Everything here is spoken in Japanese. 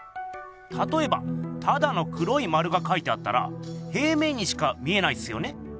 たとえばただの黒い丸がかいてあったら平面にしか見えないっすよね？